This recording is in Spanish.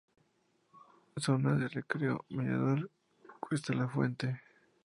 Zona de recreo-mirador Cuesta La fuente.